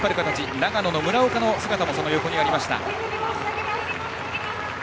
長野の村岡の姿もありました。